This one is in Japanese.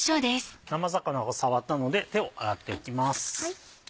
生魚を触ったので手を洗っておきます。